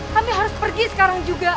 kami harus pergi sekarang juga